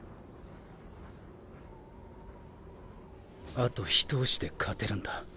あと一押しで勝てるんだ。